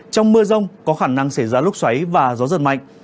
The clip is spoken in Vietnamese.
trong mưa rông có khả năng xảy ra lốc xoáy và gió dần mạnh